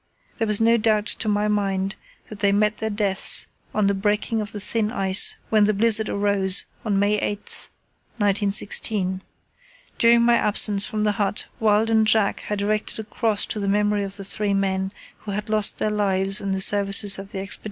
There was no doubt to my mind that they met their deaths on the breaking of the thin ice when the blizzard arose on May 8, 1916. During my absence from the hut Wild and Jack had erected a cross to the memory of the three men who had lost their lives in the service of the Expedition.